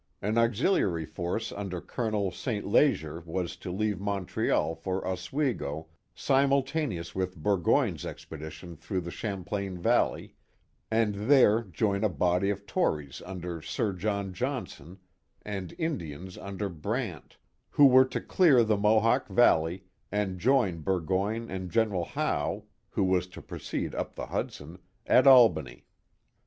An auxiliary force ander ^ Colonel St. Leger was to leave Montreal for Oswego simul taneous with Bufgoync's expedition through the Champlain Vatle)', and there join a body o( Tories under Sir John Johnson and Indians under Brant, who were to clear the Mohawk Valley and join Borgoyne and General Howe (who was to proceed up the Hudson) at Albany.